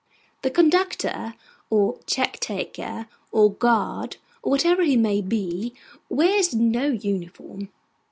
The conductor or check taker, or guard, or whatever he may be, wears no uniform.